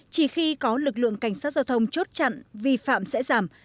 chỉ khi có lực lượng cảnh sát giao thông chốt chặn vi phạm sẽ giảm